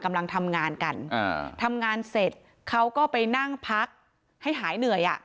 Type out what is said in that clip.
กำลังทำงานกันอ่าทำงานเสร็จเขาก็ไปนั่งพักให้หายเหนื่อยอ่ะ